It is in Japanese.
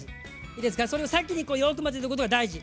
いいですかそれを先によく混ぜとくことが大事。